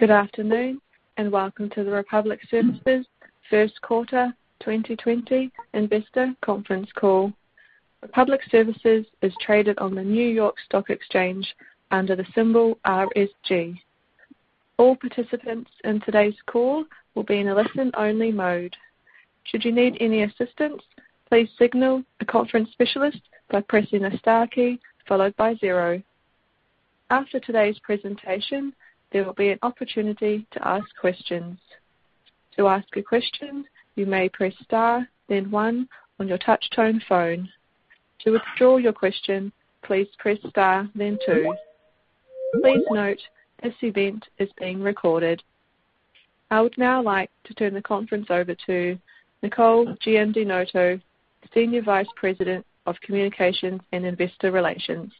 Good afternoon, and welcome to the Republic Services first quarter 2020 investor conference call. Republic Services is traded on the New York Stock Exchange under the symbol RSG. All participants in today's call will be in a listen-only mode. Should you need any assistance, please signal the conference specialist by pressing the star key followed by zero. After today's presentation, there will be an opportunity to ask questions. To ask a question, you may press star then one on your touch-tone phone. To withdraw your question, please press star then two. Please note, this event is being recorded. I would now like to turn the conference over to Nicole Giandinoto, Senior Vice President of Communications and Investor Relations.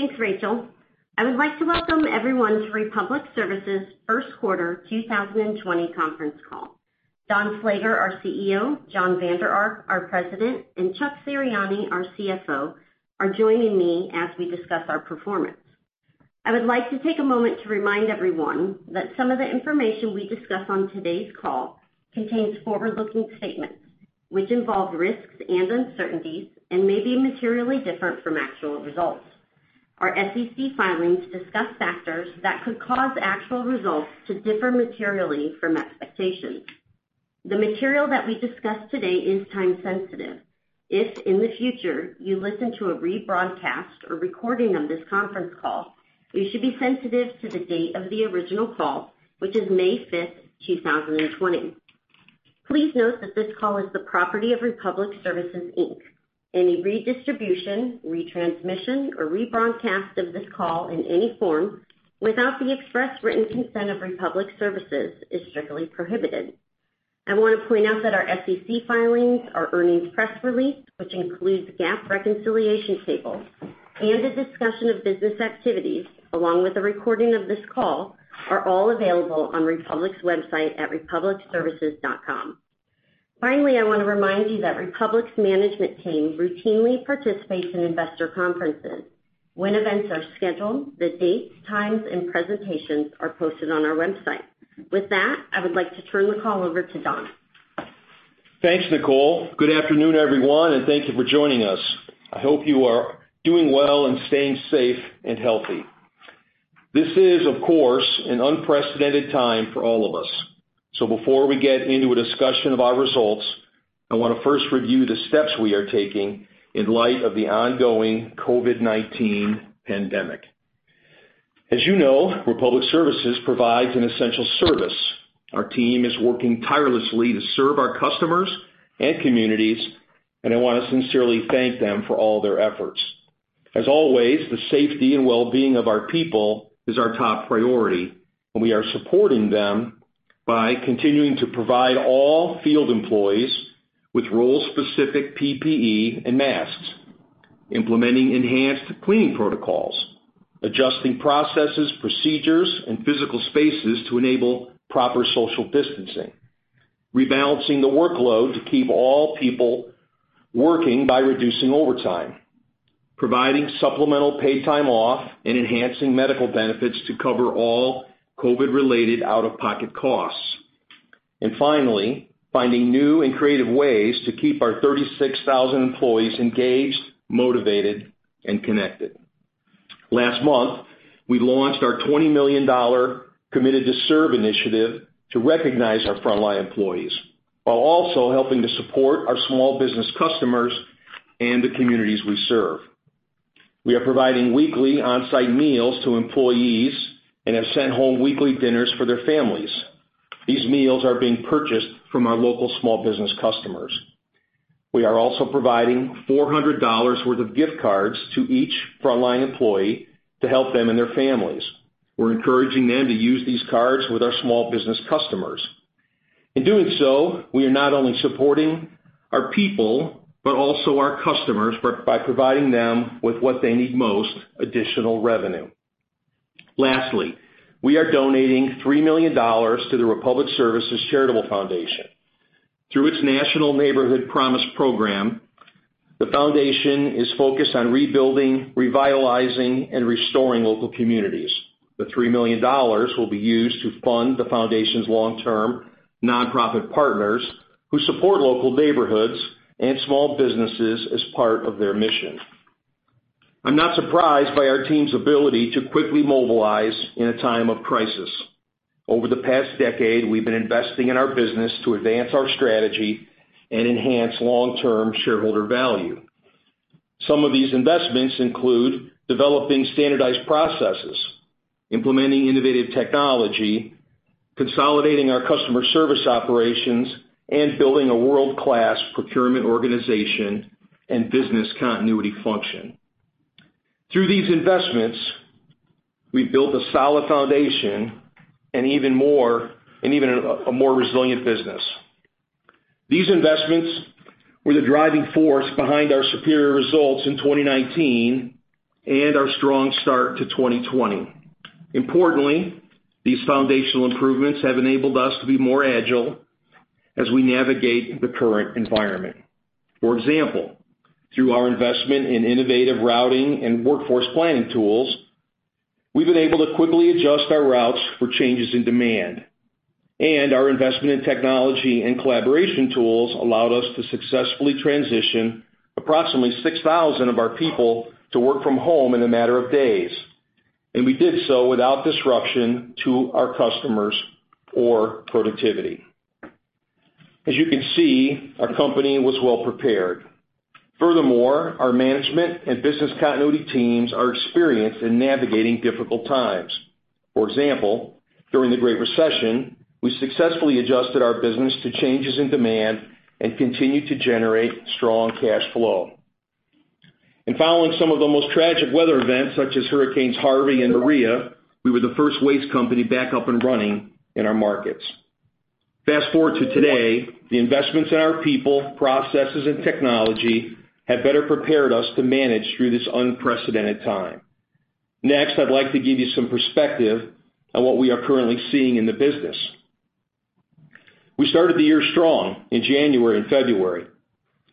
Thanks, Rachel. I would like to welcome everyone to Republic Services' first quarter 2020 conference call. Don Slager, our CEO, Jon Vander Ark, our President, and Chuck Serianni, our CFO, are joining me as we discuss our performance. I would like to take a moment to remind everyone that some of the information we discuss on today's call contains forward-looking statements, which involve risks and uncertainties and may be materially different from actual results. Our SEC filings discuss factors that could cause actual results to differ materially from expectations. The material that we discuss today is time-sensitive. If, in the future, you listen to a rebroadcast or recording of this conference call, you should be sensitive to the date of the original call, which is May 5th, 2020. Please note that this call is the property of Republic Services Inc. Any redistribution, retransmission, or rebroadcast of this call in any form without the express written consent of Republic Services is strictly prohibited. I want to point out that our SEC filings, our earnings press release, which includes GAAP reconciliation tables and a discussion of business activities, along with a recording of this call, are all available on Republic's website at republicservices.com. Finally, I want to remind you that Republic's management team routinely participates in investor conferences. When events are scheduled, the dates, times, and presentations are posted on our website. With that, I would like to turn the call over to Don. Thanks, Nicole. Good afternoon, everyone, and thank you for joining us. I hope you are doing well and staying safe and healthy. This is, of course, an unprecedented time for all of us. Before we get into a discussion of our results, I want to first review the steps we are taking in light of the ongoing COVID-19 pandemic. As you know, Republic Services provides an essential service. Our team is working tirelessly to serve our customers and communities, and I want to sincerely thank them for all their efforts. As always, the safety and well-being of our people is our top priority, and we are supporting them by continuing to provide all field employees with role-specific PPE and masks, implementing enhanced cleaning protocols, adjusting processes, procedures, and physical spaces to enable proper social distancing, rebalancing the workload to keep all people working by reducing overtime, providing supplemental paid time off and enhancing medical benefits to cover all COVID-related out-of-pocket costs, finally, finding new and creative ways to keep our 36,000 employees engaged, motivated, and connected. Last month, we launched our $20 million Committed to Serve initiative to recognize our frontline employees while also helping to support our small business customers and the communities we serve. We are providing weekly on-site meals to employees and have sent home weekly dinners for their families. These meals are being purchased from our local small business customers. We are also providing $400 worth of gift cards to each frontline employee to help them and their families. We're encouraging them to use these cards with our small business customers. In doing so, we are not only supporting our people, but also our customers by providing them with what they need most, additional revenue. Lastly, we are donating $3 million to the Republic Services Charitable Foundation. Through its National Neighborhood Promise program, the foundation is focused on rebuilding, revitalizing, and restoring local communities. The $3 million will be used to fund the foundation's long-term nonprofit partners who support local neighborhoods and small businesses as part of their mission. I'm not surprised by our team's ability to quickly mobilize in a time of crisis. Over the past decade, we've been investing in our business to advance our strategy and enhance long-term shareholder value. Some of these investments include developing standardized processes, implementing innovative technology, consolidating our customer service operations, and building a world-class procurement organization and business continuity function. Through these investments, we've built a solid foundation and even a more resilient business. These investments were the driving force behind our superior results in 2019 and our strong start to 2020. Importantly, these foundational improvements have enabled us to be more agile as we navigate the current environment. For example, through our investment in innovative routing and workforce planning tools, we've been able to quickly adjust our routes for changes in demand. Our investment in technology and collaboration tools allowed us to successfully transition approximately 6,000 of our people to work from home in a matter of days. We did so without disruption to our customers or productivity. As you can see, our company was well-prepared. Furthermore, our management and business continuity teams are experienced in navigating difficult times. For example, during the Great Recession, we successfully adjusted our business to changes in demand and continued to generate strong cash flow. Following some of the most tragic weather events, such as hurricanes Harvey and Maria, we were the first waste company back up and running in our markets. Fast-forward to today, the investments in our people, processes, and technology have better prepared us to manage through this unprecedented time. Next, I'd like to give you some perspective on what we are currently seeing in the business. We started the year strong in January and February.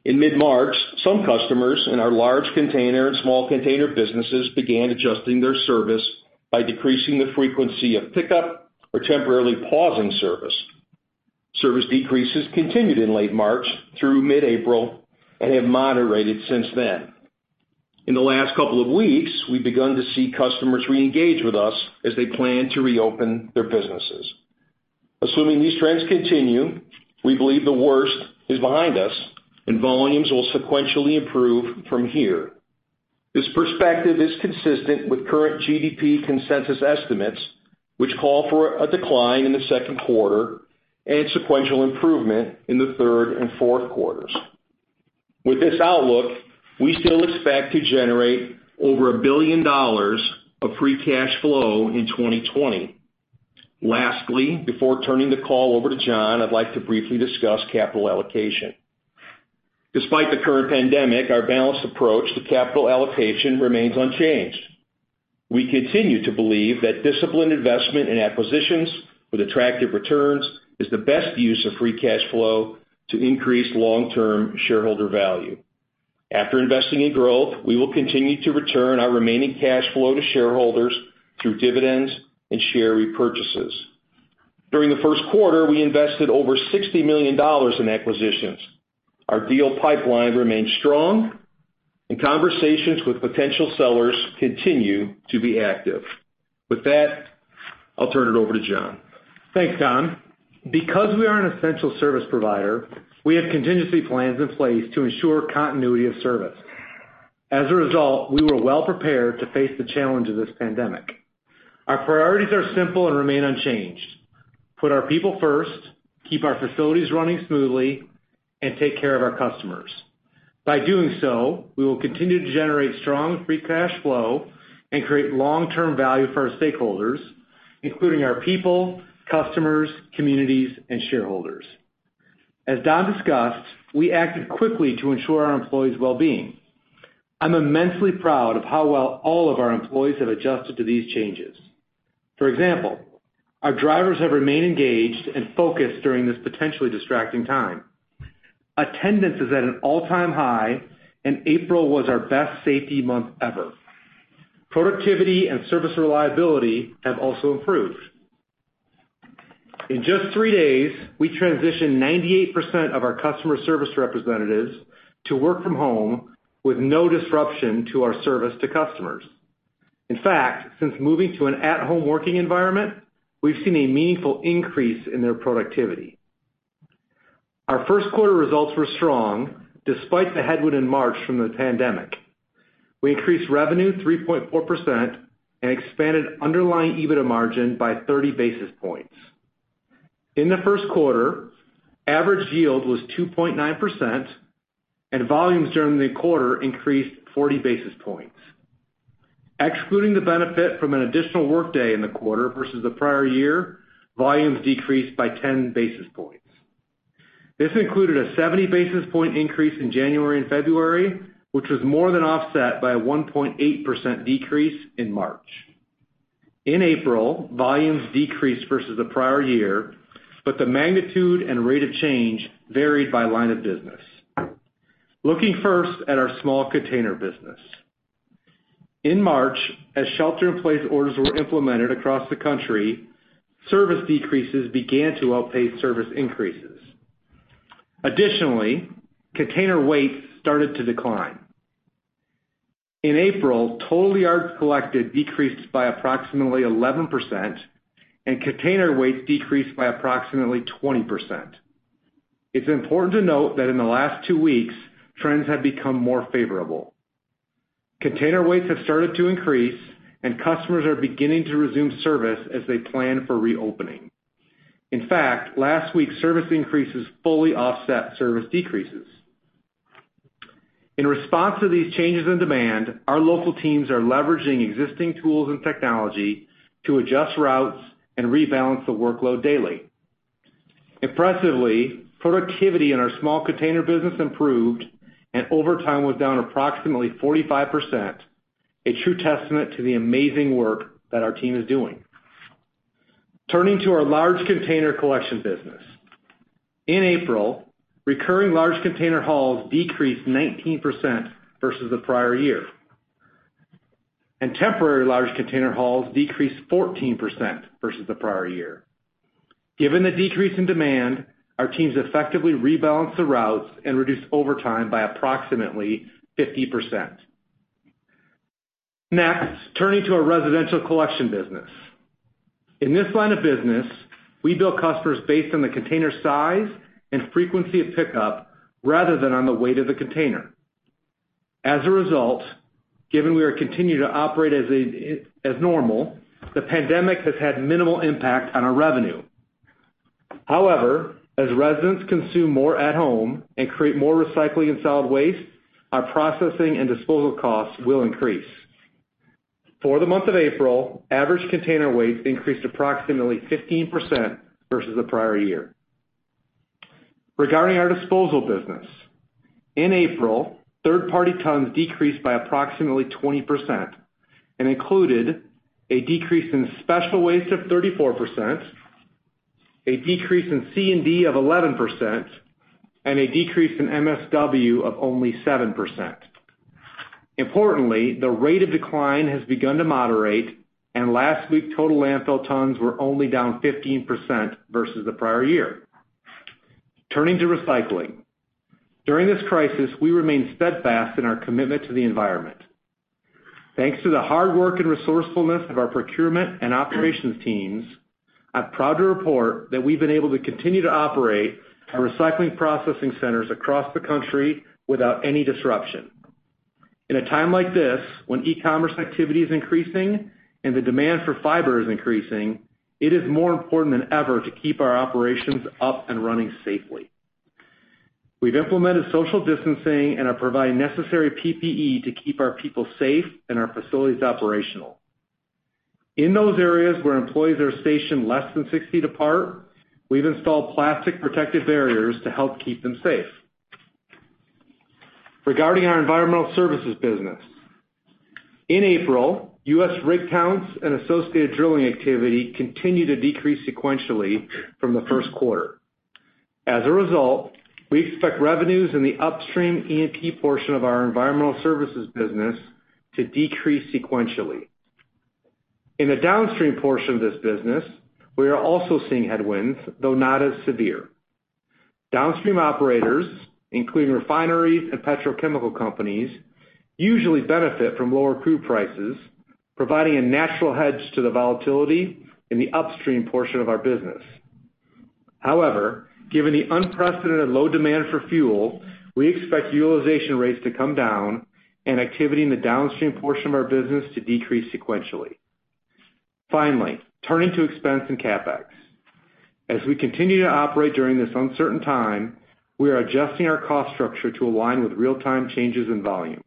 In mid-March, some customers in our large container and small container businesses began adjusting their service by decreasing the frequency of pickup or temporarily pausing service. Service decreases continued in late March through mid-April and have moderated since then. In the last couple of weeks, we've begun to see customers reengage with us as they plan to reopen their businesses. Assuming these trends continue, we believe the worst is behind us and volumes will sequentially improve from here. This perspective is consistent with current GDP consensus estimates, which call for a decline in the second quarter and sequential improvement in the third and fourth quarters. With this outlook, we still expect to generate over $1 billion of free cash flow in 2020. Lastly, before turning the call over to Jon, I'd like to briefly discuss capital allocation. Despite the current pandemic, our balanced approach to capital allocation remains unchanged. We continue to believe that disciplined investment in acquisitions with attractive returns is the best use of free cash flow to increase long-term shareholder value. After investing in growth, we will continue to return our remaining cash flow to shareholders through dividends and share repurchases. During the first quarter, we invested over $60 million in acquisitions. Our deal pipeline remains strong, and conversations with potential sellers continue to be active. With that, I'll turn it over to Jon. Thanks, Don. Because we are an essential service provider, we have contingency plans in place to ensure continuity of service. As a result, we were well-prepared to face the challenge of this pandemic. Our priorities are simple and remain unchanged. Put our people first, keep our facilities running smoothly, and take care of our customers. By doing so, we will continue to generate strong free cash flow and create long-term value for our stakeholders, including our people, customers, communities, and shareholders. As Don discussed, we acted quickly to ensure our employees' well-being. I'm immensely proud of how well all of our employees have adjusted to these changes. For example, our drivers have remained engaged and focused during this potentially distracting time. Attendance is at an all-time high, and April was our best safety month ever. Productivity and service reliability have also improved. In just three days, we transitioned 98% of our customer service representatives to work from home with no disruption to our service to customers. In fact, since moving to an at-home working environment, we've seen a meaningful increase in their productivity. Our first quarter results were strong despite the headwind in March from the pandemic. We increased revenue 3.4% and expanded underlying EBITDA margin by 30 basis points. In the first quarter, average yield was 2.9%, and volumes during the quarter increased 40 basis points. Excluding the benefit from an additional workday in the quarter versus the prior year, volumes decreased by 10 basis points. This included a 70 basis point increase in January and February, which was more than offset by a 1.8% decrease in March. In April, volumes decreased versus the prior year, but the magnitude and rate of change varied by line of business. Looking first at our small container business. In March, as shelter-in-place orders were implemented across the country, service decreases began to outpace service increases. Additionally, container weights started to decline. In April, total yards collected decreased by approximately 11%, and container weights decreased by approximately 20%. It's important to note that in the last two weeks, trends have become more favorable. Container weights have started to increase, and customers are beginning to resume service as they plan for reopening. In fact, last week, service increases fully offset service decreases. In response to these changes in demand, our local teams are leveraging existing tools and technology to adjust routes and rebalance the workload daily. Impressively, productivity in our small container business improved and overtime was down approximately 45%, a true testament to the amazing work that our team is doing. Turning to our large container collection business. In April, recurring large container hauls decreased 19% versus the prior year, and temporary large container hauls decreased 14% versus the prior year. Given the decrease in demand, our teams effectively rebalanced the routes and reduced overtime by approximately 50%. Next, turning to our residential collection business. In this line of business, we bill customers based on the container size and frequency of pickup rather than on the weight of the container. As a result, given we continue to operate as normal, the pandemic has had minimal impact on our revenue. However, as residents consume more at home and create more recycling and solid waste, our processing and disposal costs will increase. For the month of April, average container weights increased approximately 15% versus the prior year. Regarding our disposal business, in April, third-party tons decreased by approximately 20% and included a decrease in special waste of 34%, a decrease in C&D of 11%, and a decrease in MSW of only 7%. Importantly, the rate of decline has begun to moderate, and last week, total landfill tons were only down 15% versus the prior year. Turning to recycling. During this crisis, we remain steadfast in our commitment to the environment. Thanks to the hard work and resourcefulness of our procurement and operations teams, I'm proud to report that we've been able to continue to operate our recycling processing centers across the country without any disruption. In a time like this, when e-commerce activity is increasing and the demand for fiber is increasing, it is more important than ever to keep our operations up and running safely. We've implemented social distancing and are providing necessary PPE to keep our people safe and our facilities operational. In those areas where employees are stationed less than 6 ft apart, we've installed plastic protective barriers to help keep them safe. Regarding our environmental services business, in April, U.S. rig counts and associated drilling activity continued to decrease sequentially from Q1. As a result, we expect revenues in the upstream E&P portion of our environmental services business to decrease sequentially. In the downstream portion of this business, we are also seeing headwinds, though not as severe. Downstream operators, including refineries and petrochemical companies, usually benefit from lower crude prices, providing a natural hedge to the volatility in the upstream portion of our business. However, given the unprecedented low demand for fuel, we expect utilization rates to come down and activity in the downstream portion of our business to decrease sequentially. Finally, turning to expense and CapEx. As we continue to operate during this uncertain time, we are adjusting our cost structure to align with real-time changes in volume.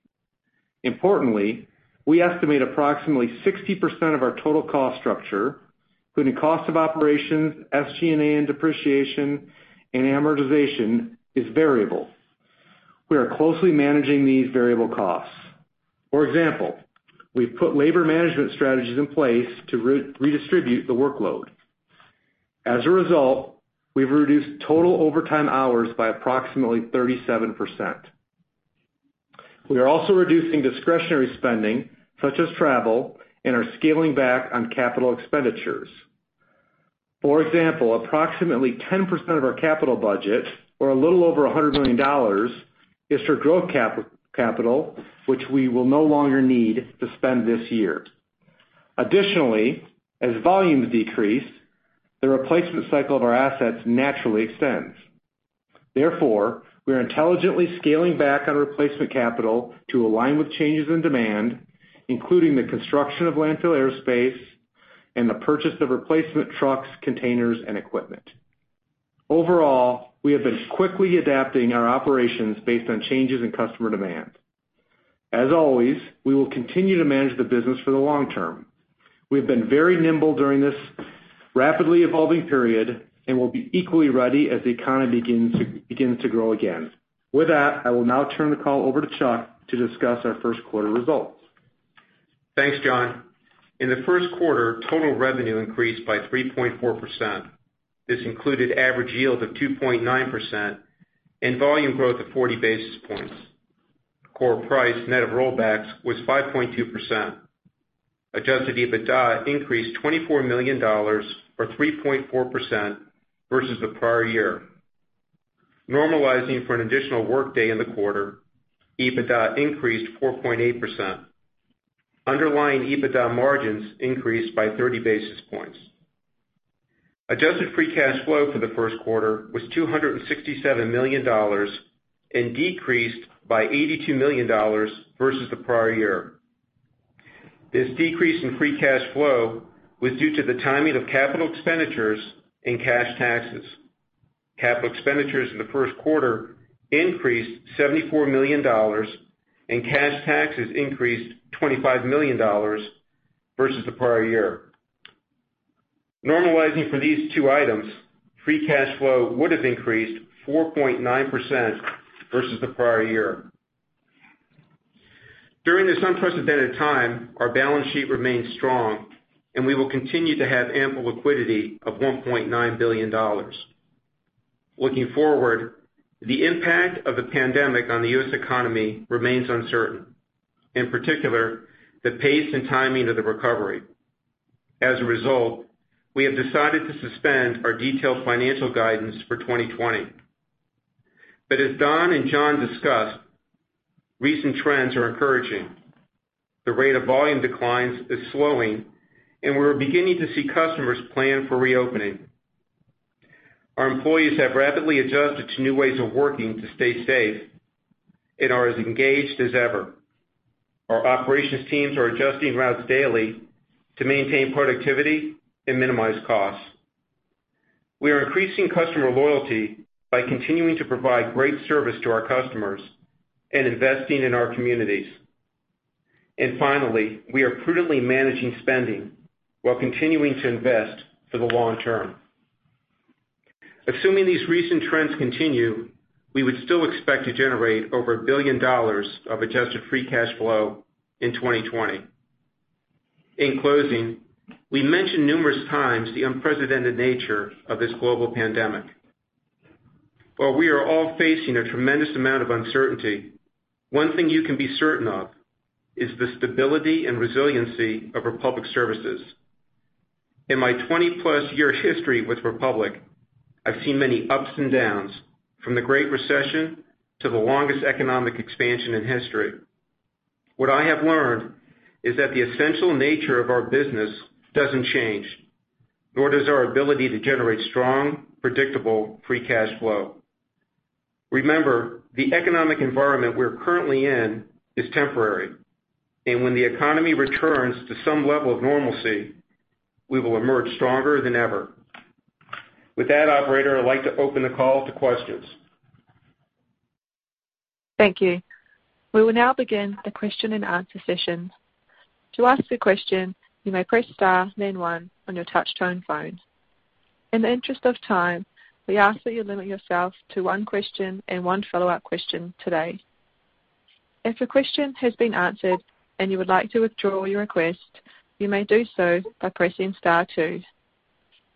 Importantly, we estimate approximately 60% of our total cost structure, including cost of operations, SG&A, and depreciation and amortization, is variable. We are closely managing these variable costs. For example, we've put labor management strategies in place to redistribute the workload. As a result, we've reduced total overtime hours by approximately 37%. We are also reducing discretionary spending, such as travel, and are scaling back on capital expenditures. For example, approximately 10% of our capital budget, or a little over $100 million, is for growth capital, which we will no longer need to spend this year. Additionally, as volumes decrease, the replacement cycle of our assets naturally extends. Therefore, we are intelligently scaling back on replacement capital to align with changes in demand, including the construction of landfill airspace and the purchase of replacement trucks, containers, and equipment. Overall, we have been quickly adapting our operations based on changes in customer demand. As always, we will continue to manage the business for the long term. We have been very nimble during this rapidly evolving period and will be equally ready as the economy begins to grow again. With that, I will now turn the call over to Chuck to discuss our first quarter results. Thanks, Jon. In the first quarter, total revenue increased by 3.4%. This included average yield of 2.9% and volume growth of 40 basis points. Core price net of rollbacks was 5.2%. Adjusted EBITDA increased $24 million or 3.4% versus the prior year. Normalizing for an additional workday in the quarter, EBITDA increased 4.8%. Underlying EBITDA margins increased by 30 basis points. Adjusted free cash flow for the first quarter was $267 million and decreased by $82 million versus the prior year. This decrease in free cash flow was due to the timing of capital expenditures and cash taxes. Capital expenditures in the first quarter increased $74 million and cash taxes increased $25 million versus the prior year. Normalizing for these two items, free cash flow would have increased 4.9% versus the prior year. During this unprecedented time, our balance sheet remains strong, and we will continue to have ample liquidity of $1.9 billion. Looking forward, the impact of the pandemic on the U.S. economy remains uncertain, in particular, the pace and timing of the recovery. As a result, we have decided to suspend our detailed financial guidance for 2020. As Don and Jon discussed, recent trends are encouraging. The rate of volume declines is slowing, and we're beginning to see customers plan for reopening. Our employees have rapidly adjusted to new ways of working to stay safe and are as engaged as ever. Our operations teams are adjusting routes daily to maintain productivity and minimize costs. We are increasing customer loyalty by continuing to provide great service to our customers and investing in our communities. Finally, we are prudently managing spending while continuing to invest for the long term. Assuming these recent trends continue, we would still expect to generate over $1 billion of adjusted free cash flow in 2020. In closing, we mentioned numerous times the unprecedented nature of this global pandemic. While we are all facing a tremendous amount of uncertainty, one thing you can be certain of is the stability and resiliency of Republic Services. In my 20+ year history with Republic, I've seen many ups and downs, from the Great Recession to the longest economic expansion in history. What I have learned is that the essential nature of our business doesn't change, nor does our ability to generate strong, predictable free cash flow. Remember, the economic environment we're currently in is temporary. When the economy returns to some level of normalcy, we will emerge stronger than ever. With that, operator, I'd like to open the call to questions. Thank you. We will now begin the question-and-answer session. To ask a question, you may press star then one on your touch-tone phone. In the interest of time, we ask that you limit yourself to one question and one follow-up question today. If a question has been answered and you would like to withdraw your request, you may do so by pressing star two.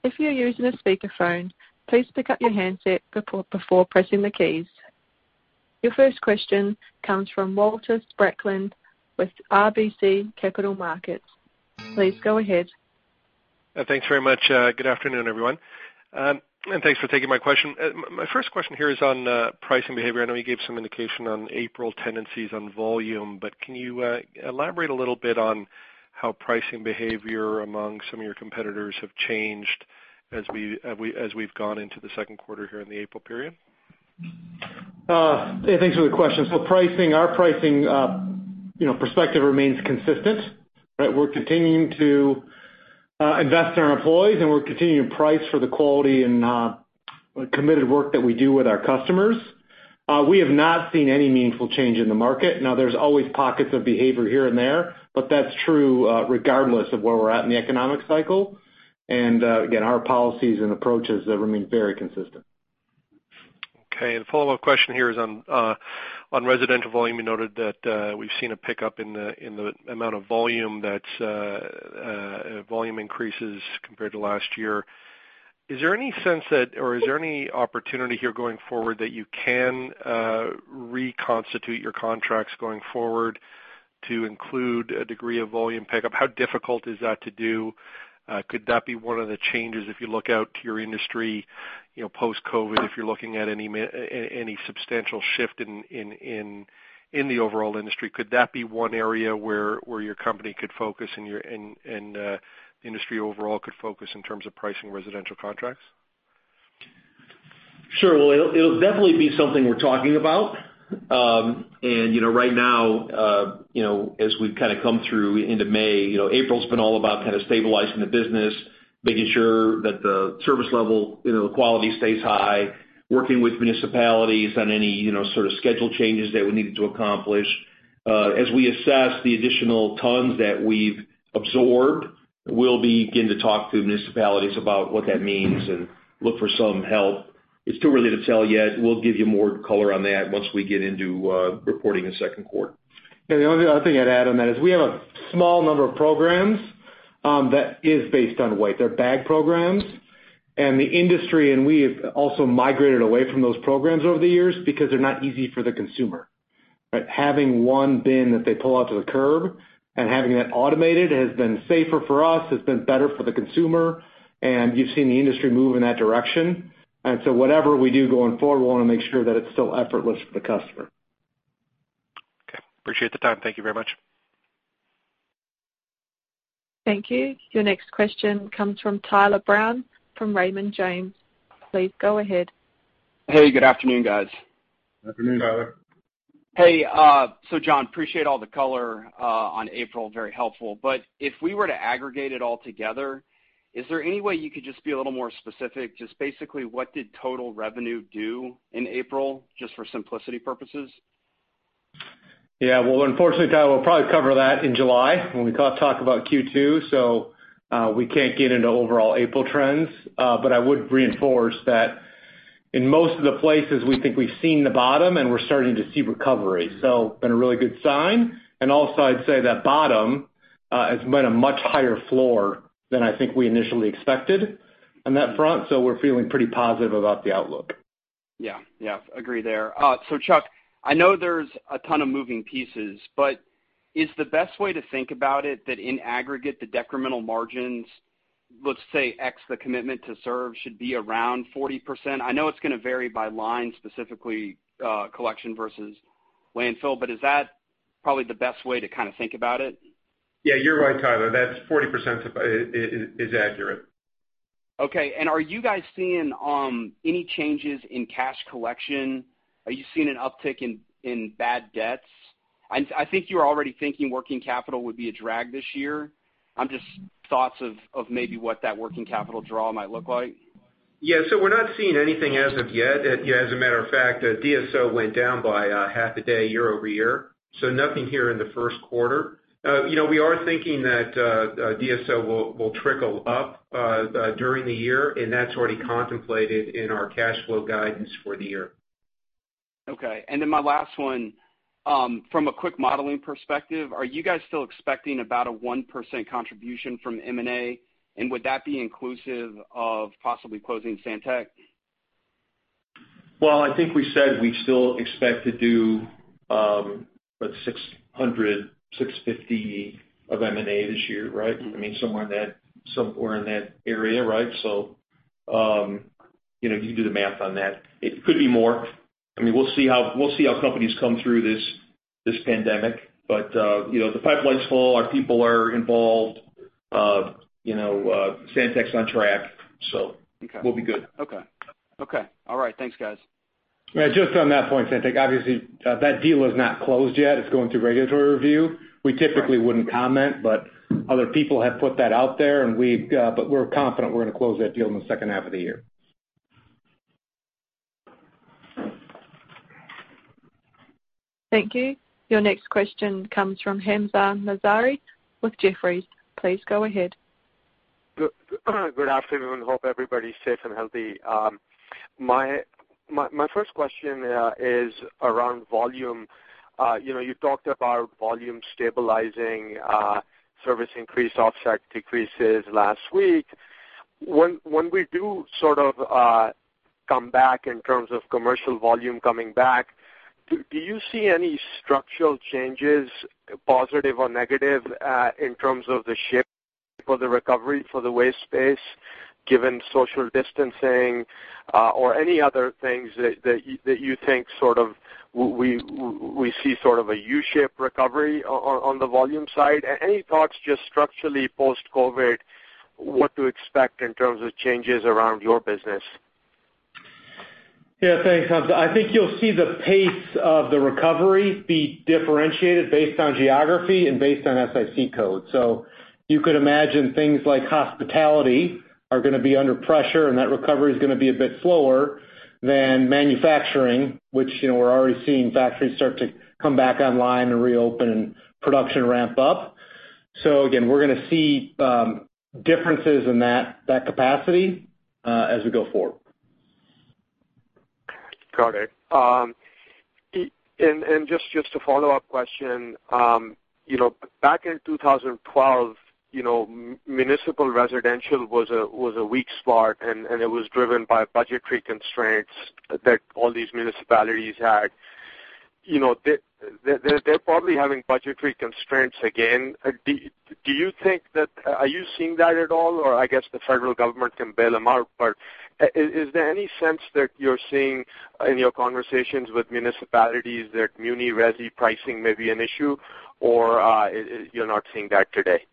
If you're using a speakerphone, please pick up your handset before pressing the keys. Your first question comes from Walter Spracklen with RBC Capital Markets. Please go ahead. Thanks very much. Good afternoon, everyone. Thanks for taking my question. My first question here is on pricing behavior. I know you gave some indication on April tendencies on volume, but can you elaborate a little bit on how pricing behavior among some of your competitors have changed as we've gone into the second quarter here in the April period? Hey, thanks for the question. Our pricing perspective remains consistent, right? We're continuing to invest in our employees, and we're continuing to price for the quality and committed work that we do with our customers. We have not seen any meaningful change in the market. There's always pockets of behavior here and there, but that's true regardless of where we're at in the economic cycle. Again, our policies and approaches have remained very consistent. Okay. Follow-up question here is on residential volume. You noted that we've seen a pickup in the amount of volume increases compared to last year. Is there any sense that, or is there any opportunity here going forward that you can reconstitute your contracts going forward to include a degree of volume pickup? How difficult is that to do? Could that be one of the changes if you look out to your industry, post-COVID, if you're looking at any substantial shift in the overall industry, could that be one area where your company could focus and the industry overall could focus in terms of pricing residential contracts? Sure. Well, it'll definitely be something we're talking about. Right now, as we've kind of come through into May, April's been all about kind of stabilizing the business, making sure that the service level quality stays high, working with municipalities on any sort of schedule changes that we needed to accomplish. As we assess the additional tons that we've absorbed, we'll begin to talk to municipalities about what that means and look for some help. It's too early to tell yet. We'll give you more color on that once we get into reporting the second quarter. Yeah, the only other thing I'd add on that is we have a small number of programs, that is based on weight. They're bag programs. The industry, and we have also migrated away from those programs over the years because they're not easy for the consumer, right? Having one bin that they pull out to the curb and having that automated has been safer for us, has been better for the consumer, and you've seen the industry move in that direction. Whatever we do going forward, we want to make sure that it's still effortless for the customer. Okay. Appreciate the time. Thank you very much. Thank you. Your next question comes from Tyler Brown, from Raymond James. Please go ahead. Hey, good afternoon, guys. Good afternoon, Tyler. Hey, Jon, appreciate all the color on April. Very helpful. If we were to aggregate it all together, is there any way you could just be a little more specific? Just basically what did total revenue do in April, just for simplicity purposes? Well, unfortunately, Tyler, we'll probably cover that in July when we talk about Q2, so we can't get into overall April trends. I would reinforce that in most of the places, we think we've seen the bottom, and we're starting to see recovery. Been a really good sign. Also, I'd say that bottom has been a much higher floor than I think we initially expected on that front, so we're feeling pretty positive about the outlook. Yeah. Agree there. Chuck, I know there's a ton of moving pieces, but is the best way to think about it that in aggregate, the decremental margins, let's say X, the Committed to Serve should be around 40%? I know it's going to vary by line, specifically, collection versus landfill, but is that probably the best way to think about it? Yeah, you're right, Tyler. That 40% is accurate. Okay. Are you guys seeing any changes in cash collection? Are you seeing an uptick in bad debts? I think you're already thinking working capital would be a drag this year. Just thoughts of maybe what that working capital draw might look like? Yeah. We're not seeing anything as of yet. As a matter of fact, DSO went down by half a day year-over-year, so nothing here in the first quarter. We are thinking that DSO will trickle up during the year, and that's already contemplated in our cash flow guidance for the year. Okay. My last one, from a quick modeling perspective, are you guys still expecting about a 1% contribution from M&A, and would that be inclusive of possibly closing Santek? Well, I think we said we still expect to do, about $600 million, $650 million of M&A this year, right? Somewhere in that area, right? You can do the math on that. It could be more. We'll see how companies come through this pandemic. The pipeline's full. Our people are involved. Santek's on track. Okay. We'll be good. Okay. All right. Thanks, guys. Just on that point, Santek, obviously, that deal is not closed yet. It's going through regulatory review. We typically wouldn't comment, but other people have put that out there, but we're confident we're going to close that deal in the second half of the year. Thank you. Your next question comes from Hamzah Mazari with Jefferies. Please go ahead. Good afternoon. Hope everybody's safe and healthy. My first question is around volume. You talked about volume stabilizing, service increase, offset decreases last week. When we do sort of come back in terms of commercial volume coming back, do you see any structural changes, positive or negative, in terms of the shift for the recovery for the waste space, given social distancing, or any other things that you think we see sort of a U-shape recovery on the volume side? Any thoughts just structurally post-COVID-19, what to expect in terms of changes around your business? Yeah, thanks, Hamzah. I think you'll see the pace of the recovery be differentiated based on geography and based on SIC code. You could imagine things like hospitality are going to be under pressure, and that recovery is going to be a bit slower than manufacturing, which we're already seeing factories start to come back online and reopen and production ramp up. Again, we're going to see differences in that capacity as we go forward. Got it. Just a follow-up question. Back in 2012, municipal residential was a weak spot, and it was driven by budgetary constraints that all these municipalities had. They're probably having budgetary constraints again. Are you seeing that at all? I guess the federal government can bail them out, but is there any sense that you're seeing in your conversations with municipalities that Muni/Resi pricing may be an issue, or you're not seeing that today?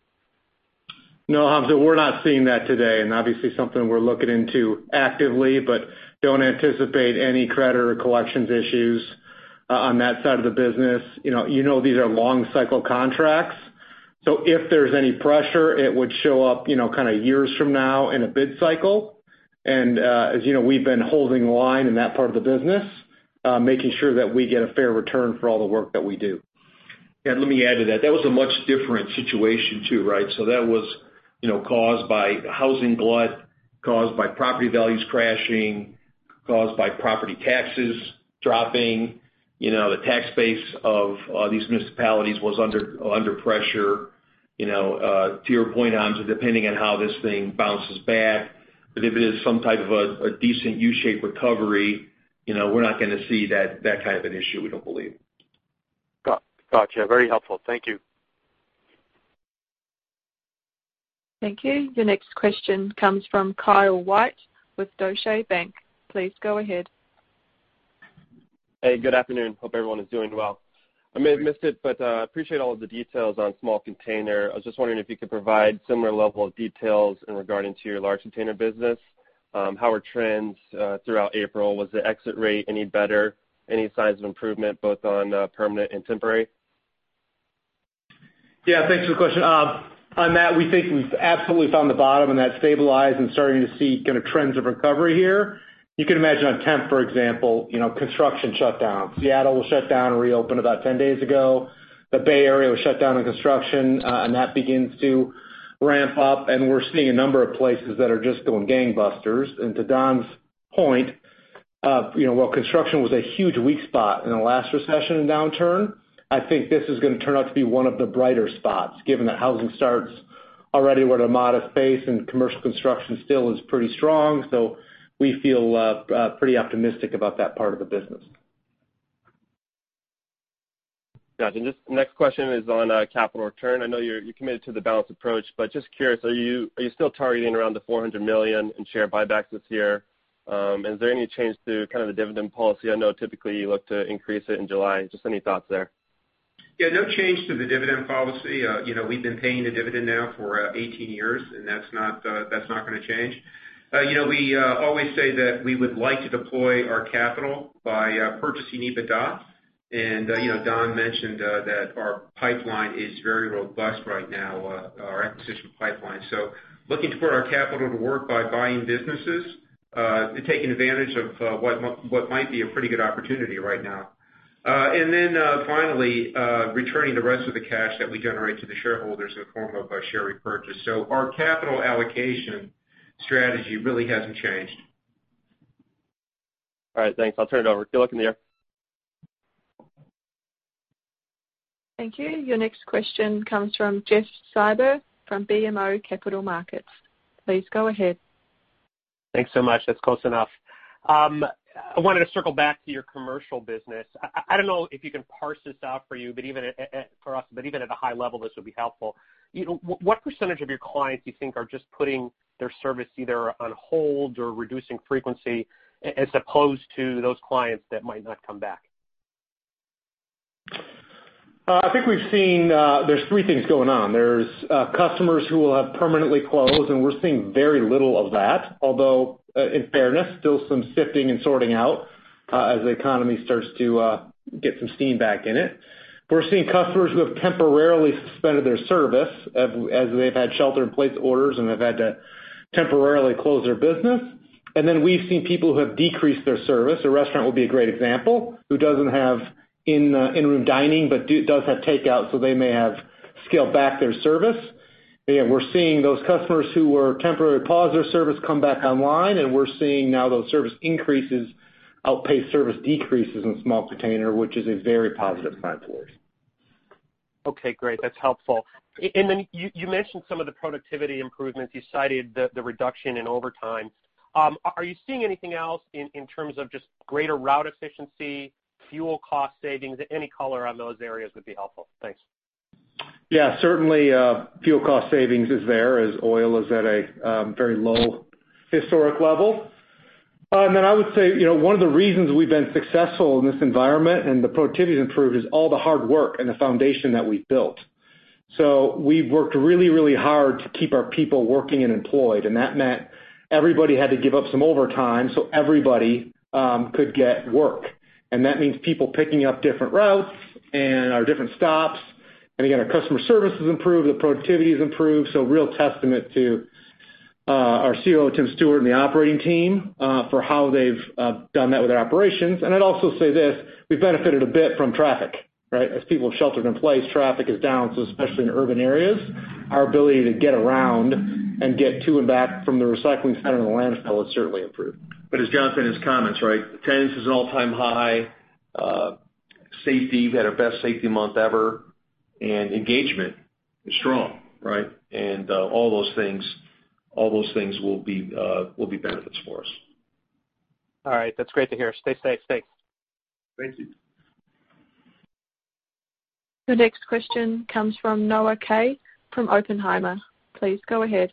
No, Hamzah, we're not seeing that today, and obviously something we're looking into actively, but don't anticipate any credit or collections issues on that side of the business. You know these are long cycle contracts, so if there's any pressure, it would show up kind of years from now in a bid cycle. As you know, we've been holding the line in that part of the business, making sure that we get a fair return for all the work that we do. Let me add to that. That was a much different situation, too, right? That was caused by housing glut, caused by property values crashing, caused by property taxes dropping. The tax base of these municipalities was under pressure. To your point, Hamzah, depending on how this thing bounces back, but if it is some type of a decent U-shape recovery, we're not going to see that kind of an issue, we don't believe. Got you. Very helpful. Thank you. Thank you. Your next question comes from Kyle White with Deutsche Bank. Please go ahead. Hey, good afternoon. Hope everyone is doing well. I may have missed it. Appreciate all of the details on small container. I was just wondering if you could provide similar level of details regarding your large container business. How are trends throughout April? Was the exit rate any better? Any signs of improvement, both on permanent and temporary? Yeah, thanks for the question. On that, we think we've absolutely found the bottom on that stabilize and starting to see trends of recovery here. You can imagine on temp, for example, construction shutdowns. Seattle was shut down and reopened about 10 days ago. The Bay Area was shut down on construction, that begins to ramp up, and we're seeing a number of places that are just going gangbusters. To Don's point, while construction was a huge weak spot in the last recession and downturn, I think this is going to turn out to be one of the brighter spots, given that housing starts already at a modest pace and commercial construction still is pretty strong. We feel pretty optimistic about that part of the business. Got you. Next question is on capital return. I know you're committed to the balanced approach, but just curious, are you still targeting around the $400 million in share buybacks this year? Is there any change to the dividend policy? I know typically you look to increase it in July. Just any thoughts there? Yeah, no change to the dividend policy. We've been paying a dividend now for 18 years. That's not going to change. We always say that we would like to deploy our capital by purchasing EBITDA. Don mentioned that our pipeline is very robust right now, our acquisition pipeline. Looking to put our capital to work by buying businesses, and taking advantage of what might be a pretty good opportunity right now. Finally, returning the rest of the cash that we generate to the shareholders in the form of a share repurchase. Our capital allocation strategy really hasn't changed. All right, thanks. I'll turn it over. Good luck in the year. Thank you. Your next question comes from Jeff Silber from BMO Capital Markets. Please go ahead. Thanks so much. That's close enough. I wanted to circle back to your commercial business. I don't know if you can parse this out for us, but even at a high level, this would be helpful. What percentage of your clients you think are just putting their service either on hold or reducing frequency, as opposed to those clients that might not come back? I think there's three things going on. There's customers who will have permanently closed, and we're seeing very little of that, although, in fairness, still some sifting and sorting out as the economy starts to get some steam back in it. We're seeing customers who have temporarily suspended their service as they've had shelter-in-place orders and have had to temporarily close their business. Then we've seen people who have decreased their service. A restaurant would be a great example, who doesn't have in-room dining, but does have takeout, so they may have scaled back their service. Again, we're seeing those customers who were temporarily paused their service come back online, and we're seeing now those service increases outpace service decreases in small container, which is a very positive sign for us. Okay, great. That's helpful. You mentioned some of the productivity improvements. You cited the reduction in overtime. Are you seeing anything else in terms of just greater route efficiency, fuel cost savings? Any color on those areas would be helpful. Thanks. Yeah, certainly, fuel cost savings is there as oil is at a very low historic level. I would say, one of the reasons we've been successful in this environment, and the productivity improvement is all the hard work and the foundation that we've built. We've worked really hard to keep our people working and employed, and that meant everybody had to give up some overtime so everybody could get work. That means people picking up different routes and our different stops. Again, our customer service has improved, the productivity has improved, so real testament to our COO, Tim Stuart, and the operating team, for how they've done that with their operations. I'd also say this, we've benefited a bit from traffic, right? As people have sheltered in place, traffic is down, so especially in urban areas, our ability to get around and get to and back from the recycling center and the landfill has certainly improved. As Jon said in his comments, right? Attendance is an all-time high. Safety, we've had our best safety month ever, engagement is strong, right? All those things will be benefits for us. All right. That's great to hear. Stay safe. Thanks. Thank you. The next question comes from Noah Kaye from Oppenheimer. Please go ahead.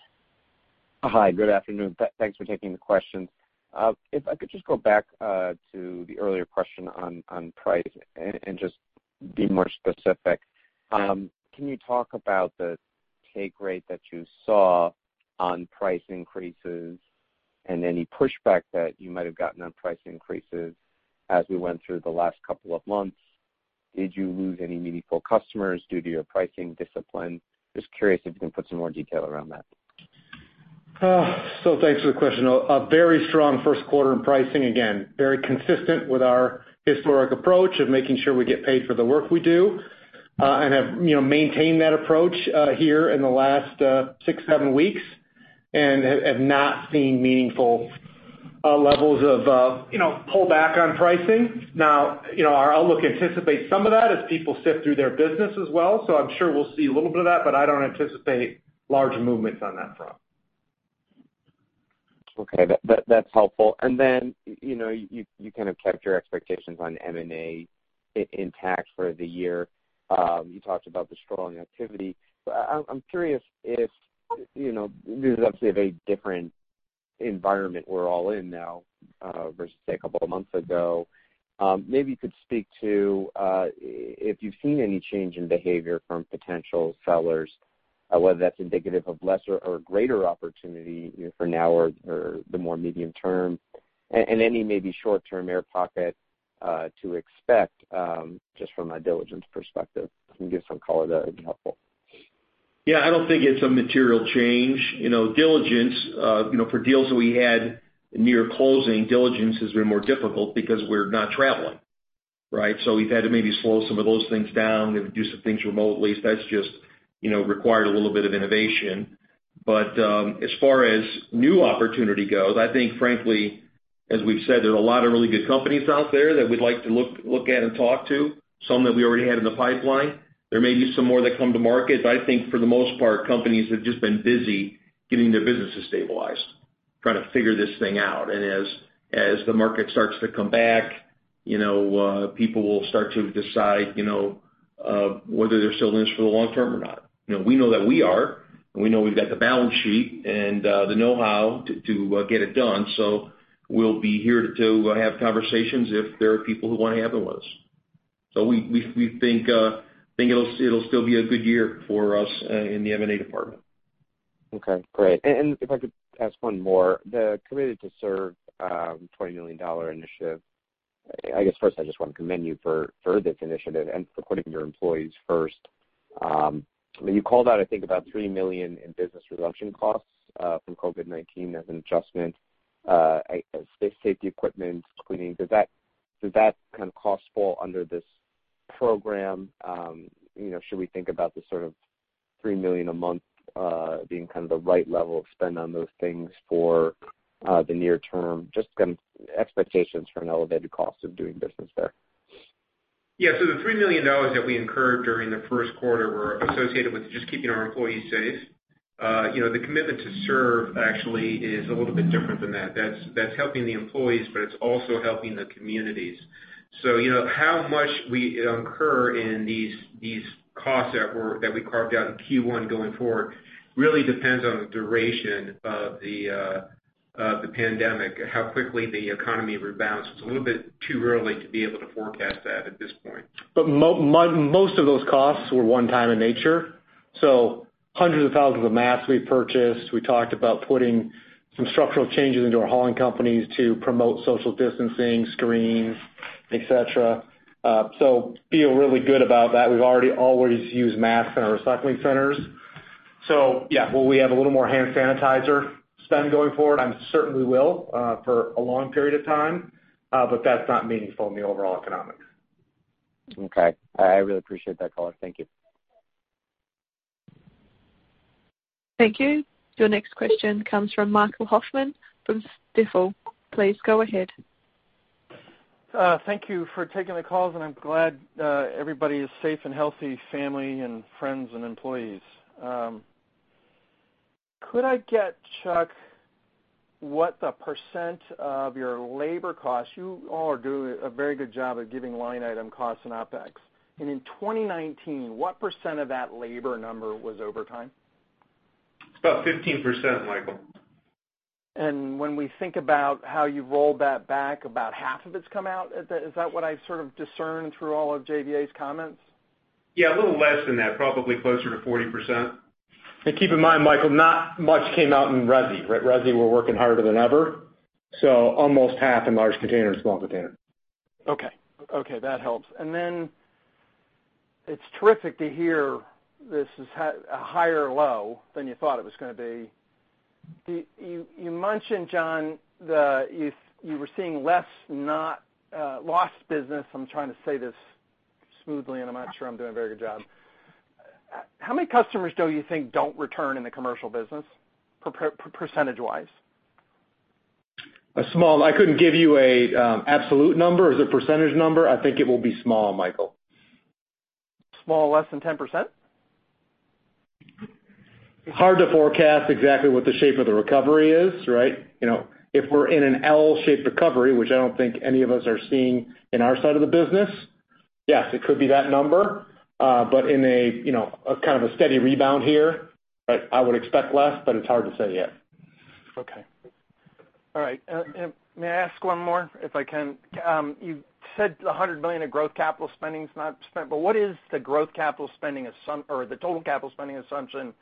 Hi, good afternoon. Thanks for taking the questions. If I could just go back to the earlier question on price and just be more specific. Can you talk about the take rate that you saw on price increases and any pushback that you might have gotten on price increases as we went through the last couple of months? Did you lose any meaningful customers due to your pricing discipline? Just curious if you can put some more detail around that. Thanks for the question. A very strong first quarter in pricing. Again, very consistent with our historic approach of making sure we get paid for the work we do and have maintained that approach here in the last six, seven weeks and have not seen meaningful levels of pull back on pricing. Now, our outlook anticipates some of that as people sift through their business as well. I'm sure we'll see a little bit of that, but I don't anticipate large movements on that front. Okay. That's helpful. You kind of kept your expectations on M&A intact for the year. You talked about the strong activity. I'm curious if, this is obviously a very different environment we're all in now, versus, say, a couple of months ago. Maybe you could speak to if you've seen any change in behavior from potential sellers, whether that's indicative of lesser or greater opportunity for now or the more medium term, and any maybe short-term air pocket to expect, just from a diligence perspective. If you can give some color, that would be helpful. Yeah, I don't think it's a material change. For deals that we had near closing, diligence has been more difficult because we're not traveling, right? We've had to maybe slow some of those things down and do some things remotely. That's just required a little bit of innovation. As far as new opportunity goes, I think frankly, as we've said, there are a lot of really good companies out there that we'd like to look at and talk to, some that we already had in the pipeline. There may be some more that come to market. I think for the most part, companies have just been busy getting their businesses stabilized, trying to figure this thing out. As the market starts to come back, people will start to decide whether they're still in this for the long term or not. We know that we are, and we know we've got the balance sheet and the know-how to get it done. We'll be here to have conversations if there are people who want to have them with us. We think it'll still be a good year for us in the M&A department. Okay, great. If I could ask one more. The Committed to Serve $20 million initiative, I guess first I just want to commend you for this initiative and putting your employees first. You called out, I think, about $3 million in business reduction costs from COVID-19 as an adjustment, safety equipment, cleaning. Does that kind of cost fall under this program? Should we think about the sort of $3 million a month being kind of the right level of spend on those things for the near term? Just expectations for an elevated cost of doing business there. Yeah. The $3 million that we incurred during the first quarter were associated with just keeping our employees safe. The Committed to Serve actually is a little bit different than that. That's helping the employees, but it's also helping the communities. How much we incur in these costs that we carved out in Q1 going forward really depends on the duration of the pandemic, how quickly the economy rebounds. It's a little bit too early to be able to forecast that at this point. Most of those costs were one-time in nature. Hundreds of thousands of masks we purchased. We talked about putting some structural changes into our hauling companies to promote social distancing, screens, et cetera. Feel really good about that. We've already always used masks in our recycling centers. Yeah. Will we have a little more hand sanitizer spend going forward? I'm certain we will, for a long period of time. That's not meaningful in the overall economics. Okay. I really appreciate that color. Thank you. Thank you. Your next question comes from Michael Hoffman from Stifel. Please go ahead. Thank you for taking the calls, and I'm glad everybody is safe and healthy, family and friends and employees. Could I get, Chuck, what the percent of your labor costs? You all are doing a very good job of giving line item costs and OpEx. In 2019, what percent of that labor number was overtime? It's about 15%, Michael. When we think about how you rolled that back, about half of it's come out. Is that what I sort of discern through all of JVA's comments? Yeah, a little less than that, probably closer to 40%. Keep in mind, Michael, not much came out in Resi, right? Resi were working harder than ever. Almost half in large container and small container. Okay. That helps. It's terrific to hear this is a higher low than you thought it was going to be. You mentioned, Jon, that you were seeing less lost business. I'm trying to say this smoothly, and I'm not sure I'm doing a very good job. How many customers do you think don't return in the commercial business, percentage-wise? I couldn't give you an absolute number. As a percentage number, I think it will be small, Michael. Small, less than 10%? Hard to forecast exactly what the shape of the recovery is, right? If we're in an L-shaped recovery, which I don't think any of us are seeing in our side of the business, yes, it could be that number. In a kind of a steady rebound here, I would expect less, but it's hard to say yet. Okay. All right. May I ask one more if I can? You said $100 million of growth capital spending is not spent, but what is the growth capital spending or the total capital spending assumption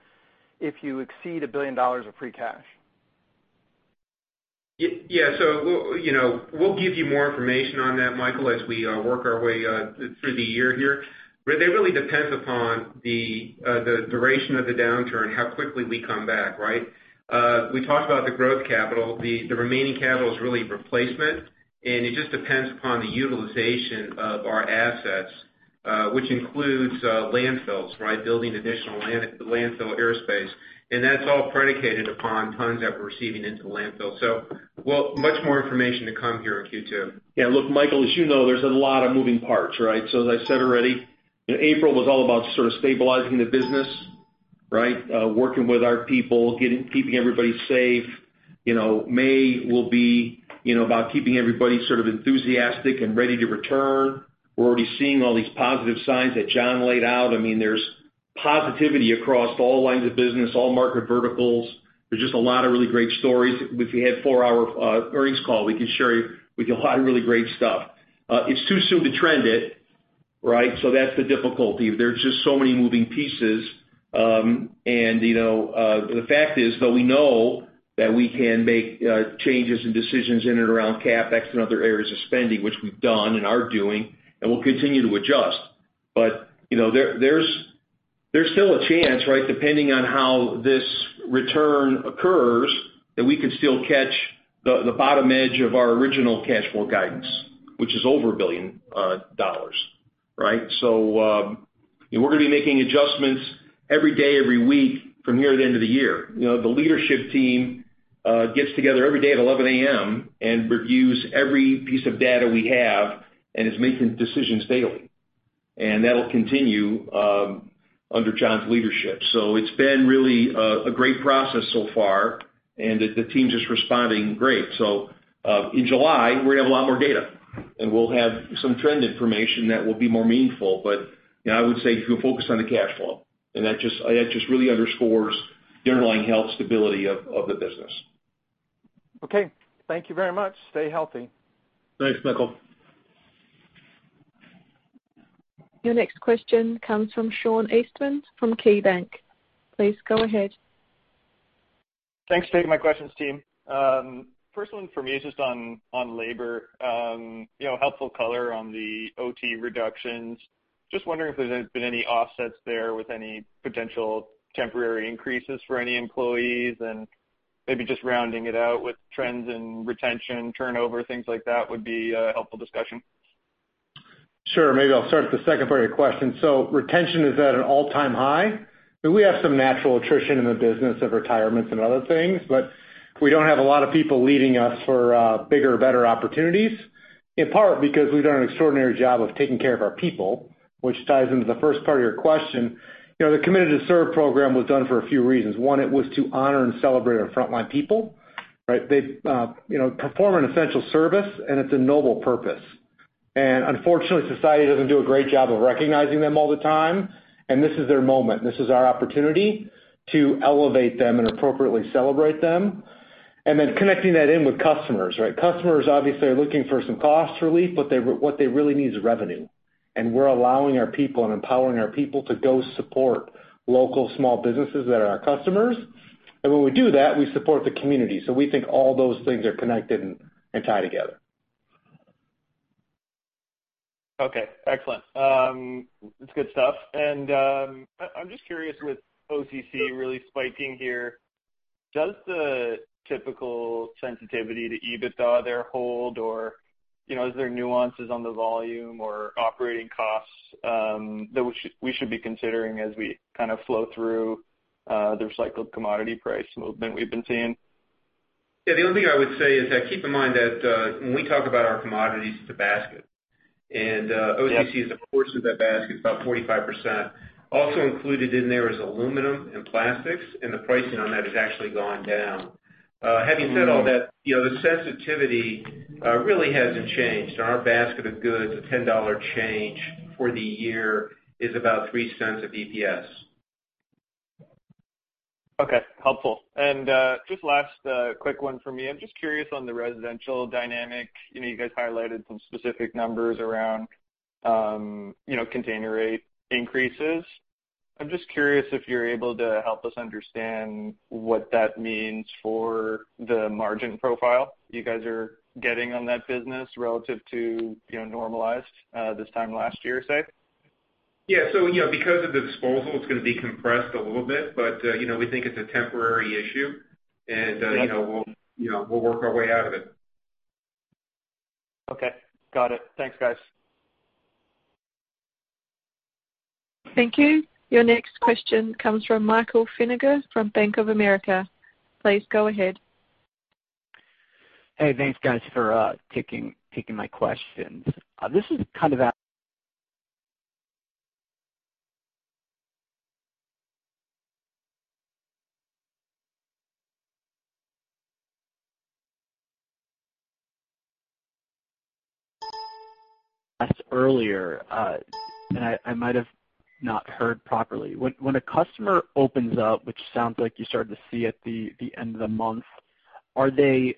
if you exceed $1 billion of free cash? Yeah. We'll give you more information on that, Michael, as we work our way through the year here. It really depends upon the duration of the downturn, how quickly we come back, right? We talked about the growth capital. The remaining capital is really replacement, and it just depends upon the utilization of our assets, which includes landfills, right? Building additional landfill airspace. That's all predicated upon tons that we're receiving into the landfill. Much more information to come here in Q2. Yeah. Look, Michael, as you know, there's a lot of moving parts, right? As I said already, April was all about sort of stabilizing the business, right? Working with our people, keeping everybody safe. May will be about keeping everybody sort of enthusiastic and ready to return. We're already seeing all these positive signs that Jon laid out. I mean, there's positivity across all lines of business, all market verticals. There's just a lot of really great stories. If we had four-hour earnings call, we could share with you a lot of really great stuff. It's too soon to trend it. Right? That's the difficulty. There are just so many moving pieces. The fact is, though, we know that we can make changes and decisions in and around CapEx and other areas of spending, which we've done and are doing, and we'll continue to adjust. There's still a chance, right, depending on how this return occurs, that we could still catch the bottom edge of our original cash flow guidance, which is over $1 billion, right? We're going to be making adjustments every day, every week from here to the end of the year. The leadership team gets together every day at 11:00 A.M. and reviews every piece of data we have and is making decisions daily. That'll continue under Jon's leadership. It's been really a great process so far, and the team's just responding great. In July, we're going to have a lot more data. We'll have some trend information that will be more meaningful. I would say if you focus on the cash flow, and that just really underscores the underlying health stability of the business. Okay. Thank you very much. Stay healthy. Thanks, Michael. Your next question comes from Sean Eastman from KeyBanc. Please go ahead. Thanks. Taking my questions, team. First one for me is just on labor. Helpful color on the OT reductions. Just wondering if there's been any offsets there with any potential temporary increases for any employees, and maybe just rounding it out with trends in retention, turnover, things like that would be a helpful discussion. Sure. Maybe I'll start with the second part of your question. Retention is at an all-time high. We have some natural attrition in the business of retirements and other things, but we don't have a lot of people leaving us for bigger, better opportunities, in part because we've done an extraordinary job of taking care of our people, which ties into the first part of your question. The Committed to Serve program was done for a few reasons. One, it was to honor and celebrate our frontline people. They perform an essential service, and it's a noble purpose. Unfortunately, society doesn't do a great job of recognizing them all the time, and this is their moment. This is our opportunity to elevate them and appropriately celebrate them. Then connecting that in with customers, right? Customers obviously are looking for some cost relief, but what they really need is revenue. We're allowing our people and empowering our people to go support local small businesses that are our customers. When we do that, we support the community. We think all those things are connected and tie together. Okay, excellent. It's good stuff. I'm just curious with OCC really spiking here, does the typical sensitivity to EBITDA there hold or is there nuances on the volume or operating costs that we should be considering as we kind of flow through the recycled commodity price movement we've been seeing? The only thing I would say is that keep in mind that when we talk about our commodities, it's a basket. OCC is a portion of that basket, about 45%. Also included in there is aluminum and plastics, and the pricing on that has actually gone down. Having said all that, the sensitivity really hasn't changed. In our basket of goods, a $10 change for the year is about $0.03 of EPS. Okay. Helpful. Just last quick one for me. I'm just curious on the residential dynamic. You guys highlighted some specific numbers around container rate increases. I'm just curious if you're able to help us understand what that means for the margin profile you guys are getting on that business relative to normalized this time last year, say. Yeah. Yeah, because of the disposal, it's going to be compressed a little bit, but we think it's a temporary issue, and we'll work our way out of it. Okay. Got it. Thanks, guys. Thank you. Your next question comes from Michael Feniger from Bank of America. Please go ahead. Hey, thanks guys for taking my questions. This is kind of out earlier. I might have not heard properly. When a customer opens up, which sounds like you're starting to see at the end of the month, are they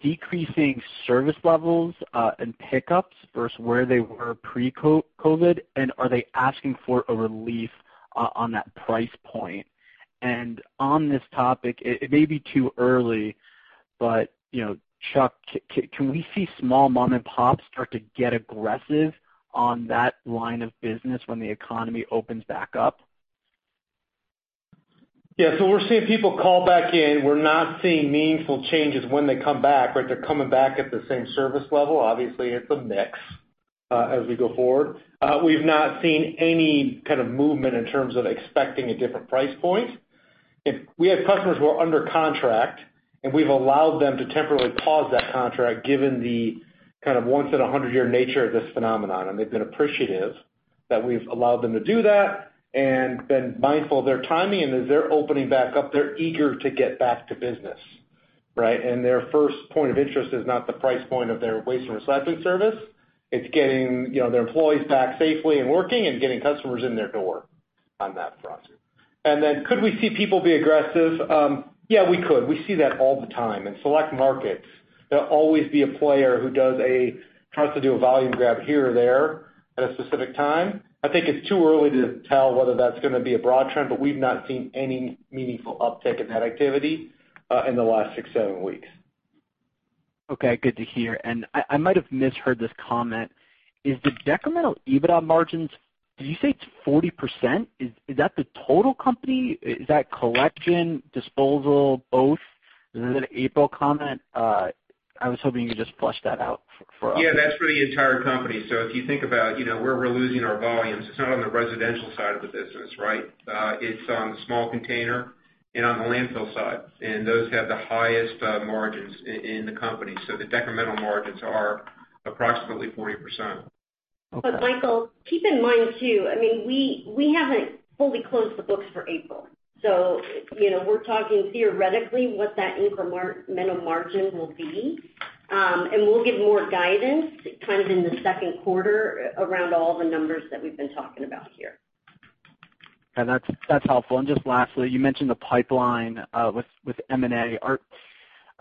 decreasing service levels and pickups versus where they were pre-COVID, and are they asking for a relief on that price point? On this topic, it may be too early, but Chuck, can we see small mom and pops start to get aggressive on that line of business when the economy opens back up? Yeah. We're seeing people call back in. We're not seeing meaningful changes when they come back. They're coming back at the same service level. Obviously, it's a mix as we go forward. We've not seen any kind of movement in terms of expecting a different price point. We have customers who are under contract, and we've allowed them to temporarily pause that contract given the kind of once in 100-year nature of this phenomenon. They've been appreciative that we've allowed them to do that and been mindful of their timing. As they're opening back up, they're eager to get back to business, right? Their first point of interest is not the price point of their waste and recycling service. It's getting their employees back safely and working and getting customers in their door. On that front. Could we see people be aggressive? Yeah, we could. We see that all the time in select markets. There'll always be a player who tries to do a volume grab here or there at a specific time. I think it's too early to tell whether that's going to be a broad trend, but we've not seen any meaningful uptick in that activity in the last six, seven weeks. Okay. Good to hear. I might have misheard this comment. Is the decremental EBITDA margins, did you say it's 40%? Is that the total company? Is that collection, disposal, both? Is it an April comment? I was hoping you could just flush that out for us. Yeah, that's for the entire company. If you think about where we're losing our volumes, it's not on the residential side of the business, right? It's on the small container and on the landfill side, and those have the highest margins in the company. The decremental margins are approximately 40%. Okay. Michael, keep in mind too, we haven't fully closed the books for April. We're talking theoretically what that incremental margin will be. We'll give more guidance kind of in the second quarter around all the numbers that we've been talking about here. Yeah. That's helpful. Just lastly, you mentioned the pipeline, with M&A.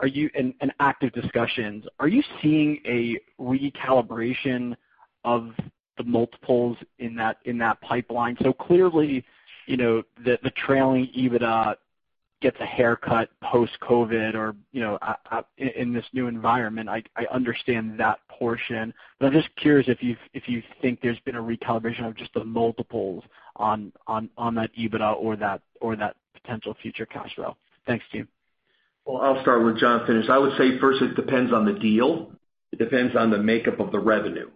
In active discussions, are you seeing a recalibration of the multiples in that pipeline? Clearly, the trailing EBITDA gets a haircut post-COVID or in this new environment. I understand that portion, but I'm just curious if you think there's been a recalibration of just the multiples on that EBITDA or that potential future cash flow. Thanks, team. Well, I'll start with Jon. I would say first it depends on the deal. It depends on the makeup of the revenue.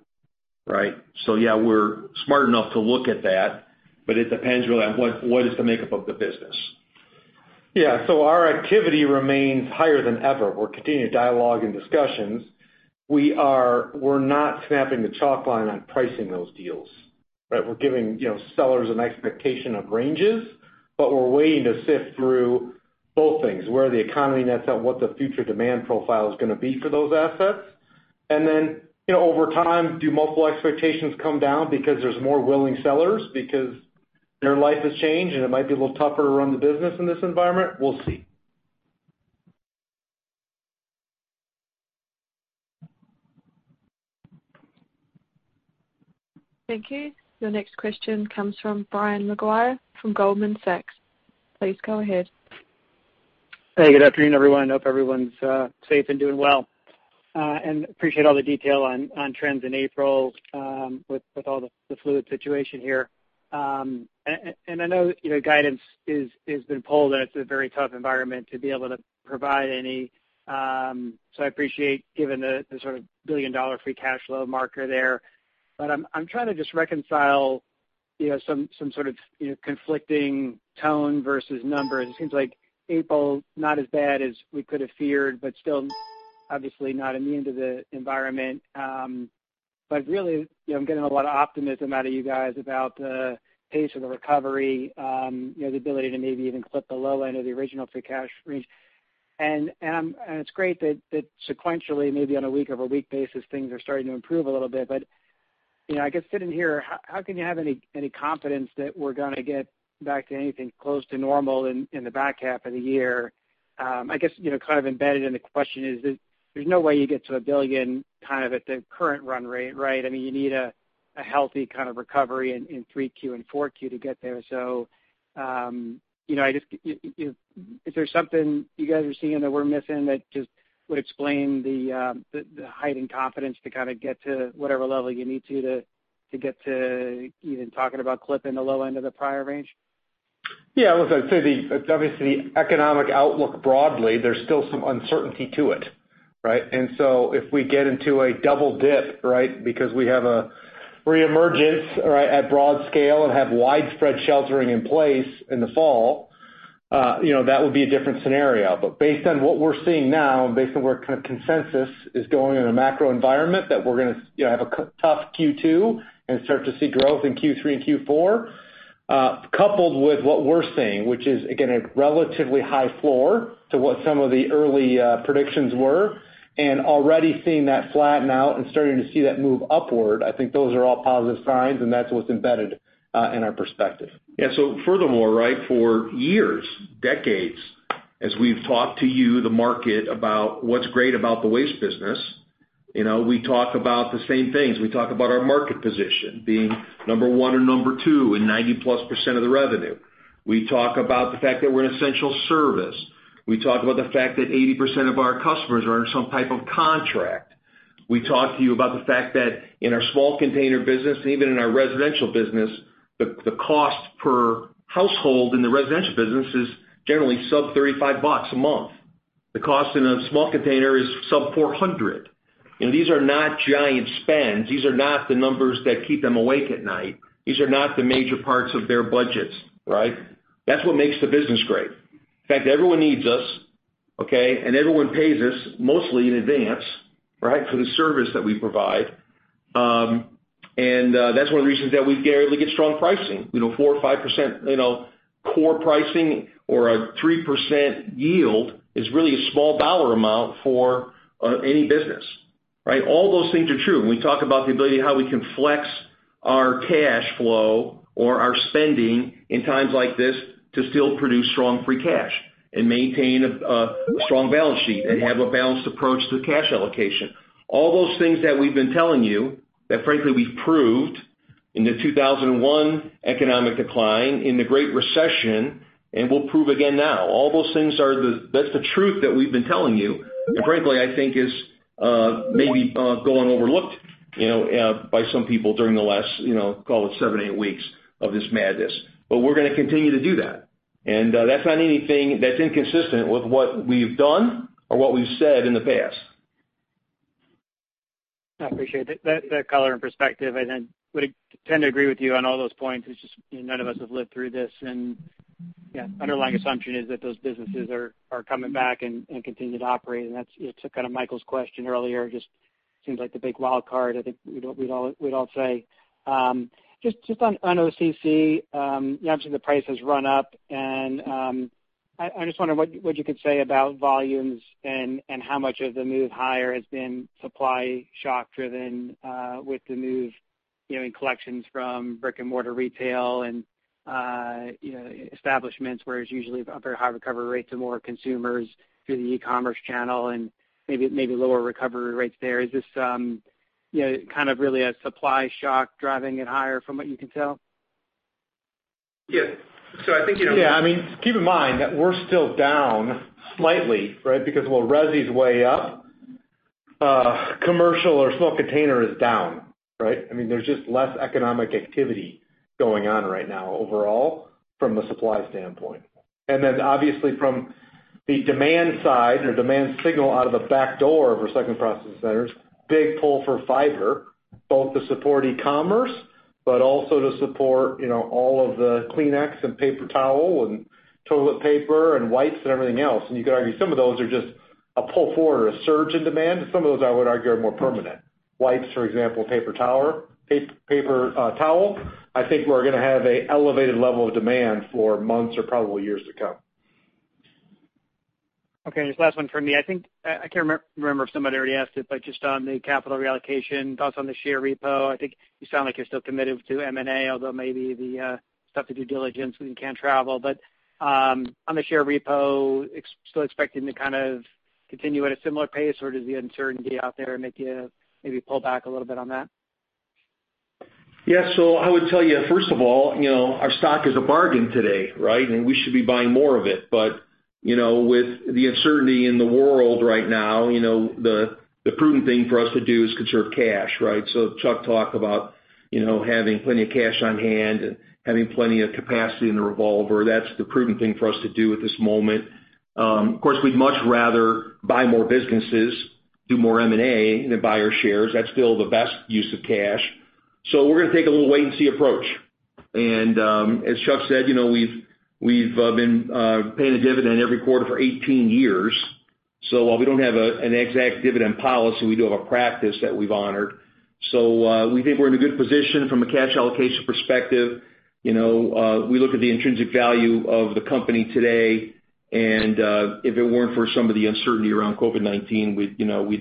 Right? Yeah, we're smart enough to look at that, but it depends really on what is the makeup of the business. Yeah. Our activity remains higher than ever. We're continuing dialogue and discussions. We're not snapping the chalk line on pricing those deals. Right? We're giving sellers an expectation of ranges, but we're waiting to sift through both things, where the economy nets out and what the future demand profile is going to be for those assets. Over time, do multiple expectations come down because there's more willing sellers because their life has changed, and it might be a little tougher to run the business in this environment? We'll see. Thank you. Your next question comes from Brian Maguire from Goldman Sachs. Please go ahead. Hey, good afternoon, everyone. I hope everyone's safe and doing well. Appreciate all the detail on trends in April, with all the fluid situation here. I know guidance has been pulled, and it's a very tough environment to be able to provide any, so I appreciate giving the sort of billion-dollar free cash flow marker there. I'm trying to just reconcile some sort of conflicting tone versus numbers. It seems like April, not as bad as we could have feared, but still obviously not immune to the environment. Really, I'm getting a lot of optimism out of you guys about the pace of the recovery, the ability to maybe even clip the low end of the original free cash range. It's great that sequentially, maybe on a week-over-week basis, things are starting to improve a little bit, but I guess sitting here, how can you have any confidence that we're going to get back to anything close to normal in the back half of the year? I guess, kind of embedded in the question is, there's no way you get to $1 billion kind of at the current run rate, right? You need a healthy kind of recovery in Q3 and Q4 to get there. Is there something you guys are seeing that we're missing that just would explain the high confidence to kind of get to whatever level you need to get to even talking about clipping the low end of the prior range? Yeah. Listen, I'd say obviously, the economic outlook broadly, there's still some uncertainty to it, right? If we get into a double dip, right, because we have a reemergence at broad scale and have widespread sheltering in place in the fall, that would be a different scenario. Based on what we're seeing now and based on where kind of consensus is going in a macro environment, that we're going to have a tough Q2 and start to see growth in Q3 and Q4, coupled with what we're seeing, which is, again, a relatively high floor to what some of the early predictions were and already seeing that flatten out and starting to see that move upward, I think those are all positive signs, and that's what's embedded in our perspective. Furthermore, right, for years, decades, as we've talked to you, the market, about what's great about the waste business, we talk about the same things. We talk about our market position being number one or number two in 90%+ of the revenue. We talk about the fact that we're an essential service. We talk about the fact that 80% of our customers are under some type of contract. We talk to you about the fact that in our small container business, and even in our residential business, the cost per household in the residential business is generally sub $35 a month. The cost in a small container is sub $400. These are not giant spends. These are not the numbers that keep them awake at night. These are not the major parts of their budgets, right? That's what makes the business great. In fact, everyone needs us, okay? Everyone pays us mostly in advance, right, for the service that we provide. That's one of the reasons that we get strong pricing. 4% or 5% core pricing or a 3% yield is really a small dollar amount for any business, right? All those things are true. When we talk about the ability of how we can flex our cash flow or our spending in times like this to still produce strong free cash and maintain a strong balance sheet and have a balanced approach to cash allocation. All those things that we've been telling you, that frankly, we've proved in the 2001 economic decline, in the Great Recession, and we'll prove again now. All those things, that's the truth that we've been telling you. Frankly, I think is maybe going overlooked by some people during the last, call it seven, eight weeks of this madness. We're going to continue to do that. That's not anything that's inconsistent with what we've done or what we've said in the past. I appreciate that color and perspective. I would tend to agree with you on all those points. It's just none of us have lived through this. Yeah, underlying assumption is that those businesses are coming back and continue to operate. That's to kind of Michael's question earlier, just seems like the big wild card, I think we'd all say. Just on OCC, obviously the price has run up and I just wonder what you could say about volumes and how much of the move higher has been supply shock driven with the move in collections from brick and mortar retail and establishments where it's usually a very high recovery rate to more consumers through the e-commerce channel and maybe lower recovery rates there. Is this kind of really a supply shock driving it higher from what you can tell? Yeah. I mean, keep in mind that we're still down slightly, right? While Resi is way up, commercial or small container is down, right? I mean, there's just less economic activity going on right now overall from a supply standpoint. Obviously from the demand side or demand signal out of the back door of our second processing centers, big pull for fiber, both to support e-commerce, but also to support all of the Kleenex and paper towel and toilet paper and wipes and everything else. You could argue some of those are just a pull forward or a surge in demand, but some of those I would argue are more permanent. Wipes, for example, paper towel. I think we're going to have an elevated level of demand for months or probably years to come. Okay, just last one from me. I think I can't remember if somebody already asked it, but just on the capital reallocation, thoughts on the share repo. I think you sound like you're still committed to M&A, although maybe the stuff the due diligence when you can't travel. On the share repo, still expecting to kind of continue at a similar pace, or does the uncertainty out there make you maybe pull back a little bit on that? I would tell you, first of all, our stock is a bargain today, right? We should be buying more of it. With the uncertainty in the world right now, the prudent thing for us to do is conserve cash, right? Chuck talked about having plenty of cash on hand and having plenty of capacity in the revolver. That's the prudent thing for us to do at this moment. Of course, we'd much rather buy more businesses, do more M&A than buy our shares. That's still the best use of cash. We're going to take a little wait and see approach. As Chuck said, we've been paying a dividend every quarter for 18 years. While we don't have an exact dividend policy, we do have a practice that we've honored. We think we're in a good position from a cash allocation perspective. We look at the intrinsic value of the company today, and if it weren't for some of the uncertainty around COVID-19, we'd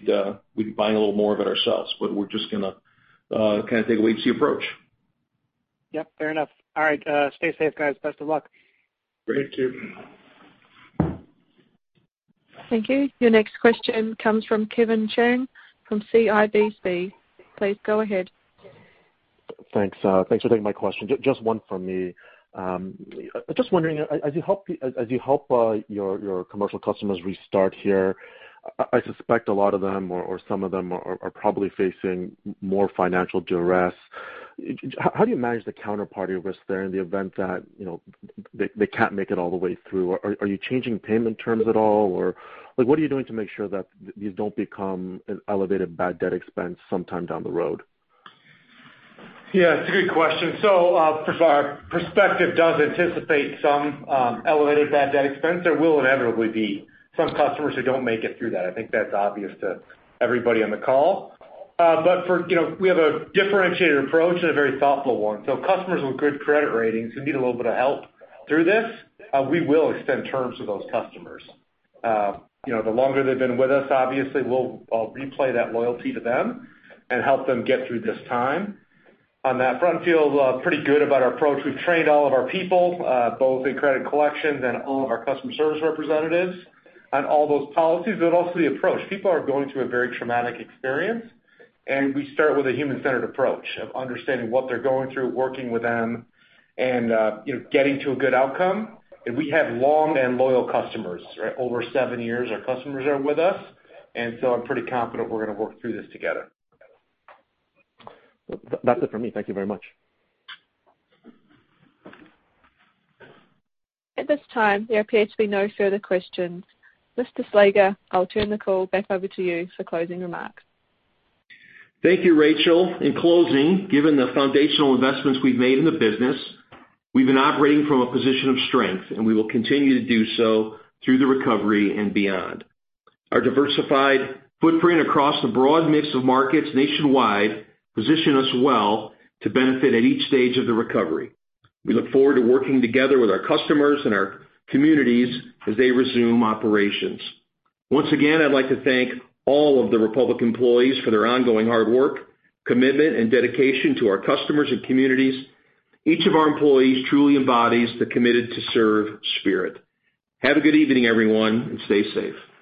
be buying a little more of it ourselves, but we're just going to kind of take a wait and see approach. Yep, fair enough. All right. Stay safe, guys. Best of luck. Great. Thank you. Thank you. Your next question comes from Kevin Chiang from CIBC. Please go ahead. Thanks for taking my question. Just one from me. Just wondering, as you help your commercial customers restart here, I suspect a lot of them or some of them are probably facing more financial duress. How do you manage the counterparty risk there in the event that they can't make it all the way through? Are you changing payment terms at all? What are you doing to make sure that these don't become an elevated bad debt expense sometime down the road? Yeah, it's a good question. Our perspective does anticipate some elevated bad debt expense. There will inevitably be some customers who don't make it through that. I think that's obvious to everybody on the call. We have a differentiated approach and a very thoughtful one. Customers with good credit ratings who need a little bit of help through this, we will extend terms to those customers. The longer they've been with us, obviously we'll replay that loyalty to them and help them get through this time. On that front, feel pretty good about our approach. We've trained all of our people, both in credit collections and all of our customer service representatives on all those policies, but also the approach. People are going through a very traumatic experience. We start with a human-centered approach of understanding what they're going through, working with them, and getting to a good outcome. We have long and loyal customers. Over seven years, our customers are with us. I'm pretty confident we're going to work through this together. That's it for me. Thank you very much. At this time, there appears to be no further questions. Mr. Slager, I'll turn the call back over to you for closing remarks. Thank you, Rachel. In closing, given the foundational investments we've made in the business, we've been operating from a position of strength, and we will continue to do so through the recovery and beyond. Our diversified footprint across the broad mix of markets nationwide position us well to benefit at each stage of the recovery. We look forward to working together with our customers and our communities as they resume operations. Once again, I'd like to thank all of the Republic employees for their ongoing hard work, commitment, and dedication to our customers and communities. Each of our employees truly embodies the Committed to Serve spirit. Have a good evening, everyone, and stay safe.